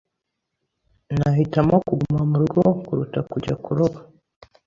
Nahitamo kuguma murugo kuruta kujya kuroba.